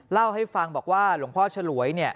เล่าให้ฟังบอกว่าหลวงพ่อฉลวย